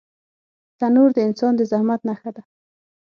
تنور د انسان د زحمت نښه ده